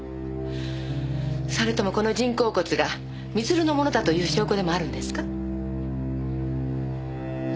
それともこの人工骨が光留のものだという証拠でもあるんですか？